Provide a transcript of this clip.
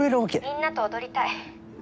みんなと踊りたい。